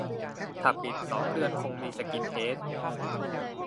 ถ้าปิดสองเดือนคงมีสกินเฮด